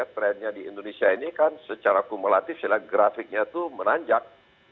trendnya di indonesia ini kan secara kumulatif grafiknya itu menanjak